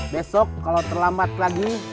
besok kalau terlambat lagi